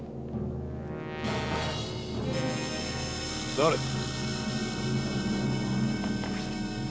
だれだ？